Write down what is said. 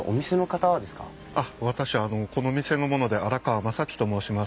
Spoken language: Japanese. あっ私この店の者で新川真己と申します。